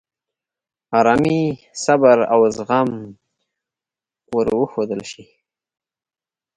آرامي، صبر، او زغم ور وښودل شي.